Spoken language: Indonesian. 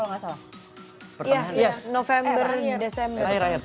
mungkin sakit manis kayak gula eh by the way mas herdi ada ada ada lagi ada yugo nanti